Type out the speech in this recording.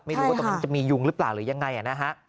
ไม่รู้ว่าตรงนั้นจะมียุงหรือเปล่าหรือยังไงนะฮะ